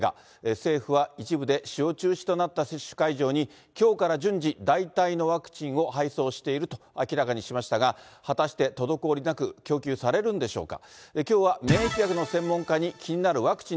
政府は、一部で使用中止となった接種会場にきょうから順次、代替のワクチンを配送していると明らかにしましたが、果たして滞りなく、供給されるんでしょうか。